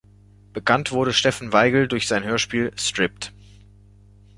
Bekannt wurde Stefan Weigl durch sein Hörspiel "Stripped.